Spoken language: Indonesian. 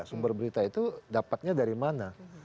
sumber berita itu dapatnya dari mana